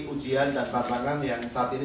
ujian dan tantangan yang saat ini